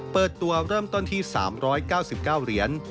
เปิดตัวเริ่มต้นที่๓๙๙เหรียญ